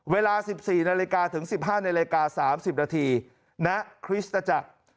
เวลา๑๔๑๕น๓๐นนะคริสตจักร